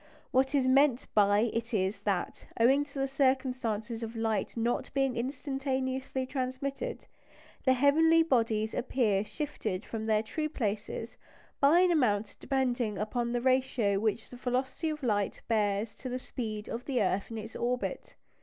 What is meant by it is that, owing to the circumstance of light not being instantaneously transmitted, the heavenly bodies appear shifted from their true places by an amount depending upon the ratio which the velocity of light bears to the speed of the earth in its orbit.